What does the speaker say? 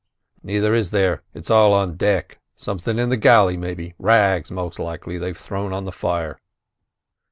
"Neither is there, it's all on deck. Something in the galley, maybe—rags, most likely, they've thrown on the fire."